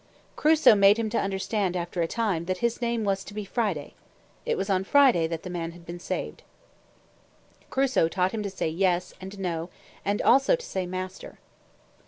Crusoe made him understand, after a time, that his name was to be Friday. It was on Friday that the man had been saved. Crusoe taught him to say "Yes," and "No," and also to say "Master."